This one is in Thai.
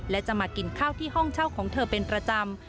และจะมากินข้าวที่ห้องเช่าของเธอเป็นประจำ